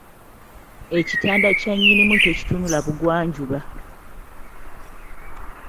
Ekitanda kya nnyinimu tekitunula bugwanjuba.